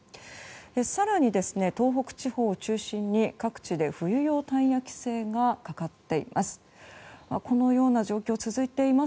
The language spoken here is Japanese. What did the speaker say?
更に、東北地方を中心に各地で冬用タイヤ規制がかかっています。